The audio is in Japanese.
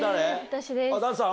私です。